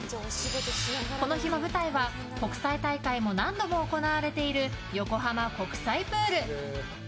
この日の舞台は国際大会も何度も行われている横浜国際プール。